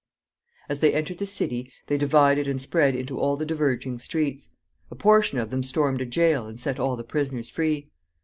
As they entered the city, they divided and spread into all the diverging streets. A portion of them stormed a jail, and set all the prisoners free.